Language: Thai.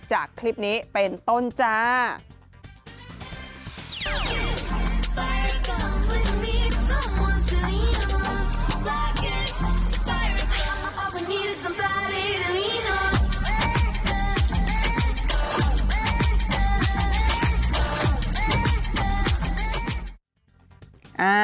จากคลิปนี้เป็นต้นจ้า